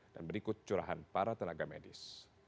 dan berikut curahan para tenaga medis